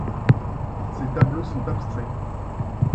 Ses tableaux sont abstraits.